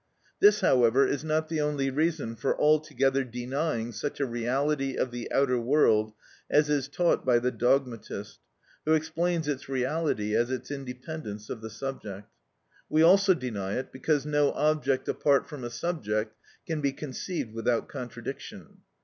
This, however, is not the only reason for altogether denying such a reality of the outer world as is taught by the dogmatist, who explains its reality as its independence of the subject. We also deny it, because no object apart from a subject can be conceived without contradiction.